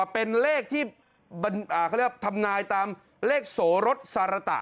เป็นเลขที่เขาเรียกว่าทำนายตามเลขโสรสสารตะ